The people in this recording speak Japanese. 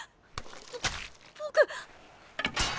ぼ僕。